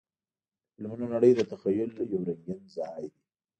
د فلمونو نړۍ د تخیل یو رنګین ځای دی.